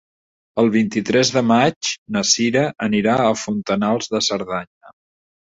El vint-i-tres de maig na Cira anirà a Fontanals de Cerdanya.